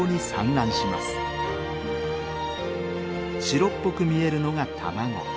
白っぽく見えるのが卵。